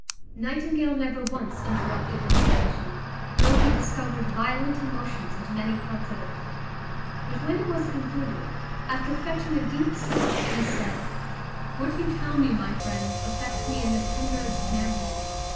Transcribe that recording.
Nightingale never once interrupted the narration, though he discovered violent emotions at many parts of it. But when it was concluded, after fetching a deep sigh, he said, "What you tell me, my friend, affects me in the tenderest manner.